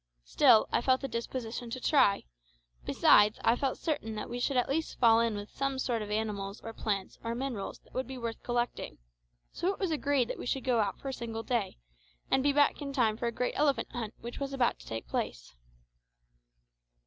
Still, I felt a disposition to try; besides, I felt certain that we should at least fall in with some sort of animals or plants or minerals that would be worth collecting; so it was agreed that we should go out for a single day, and be back in time for a great elephant hunt which was about to take place.